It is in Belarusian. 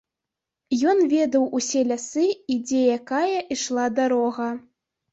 Ён ведаў усе лясы і дзе якая ішла дарога.